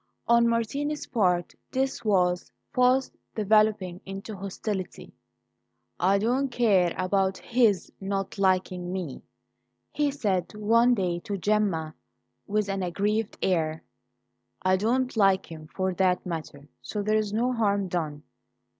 On Martini's part this was fast developing into hostility. "I don't care about his not liking me," he said one day to Gemma with an aggrieved air. "I don't like him, for that matter; so there's no harm done.